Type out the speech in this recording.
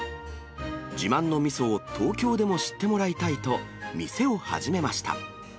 自慢のみそを東京でも知ってもらいたいと、店を始めました。